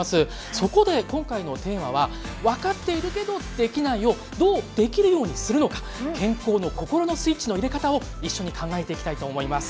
そこで今回のテーマは分かっているけどできないをどうできるようにするのか健康の心のスイッチの入れ方を一緒に考えていきたいと思います。